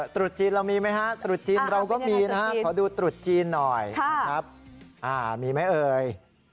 ตรุษจีนเรามีไหมฮะตรุษจีนเราก็มีนะฮะขอดูตรุษจีนหน่อยนะครับมีไหมเอ่ย